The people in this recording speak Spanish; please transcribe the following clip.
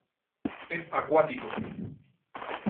Es acuático.